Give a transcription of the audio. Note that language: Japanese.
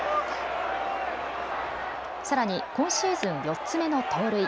さらに今シーズン４つ目の盗塁。